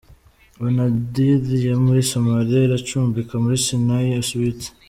Banadir yo muri Somalia iracumbika muri Sinai Suites.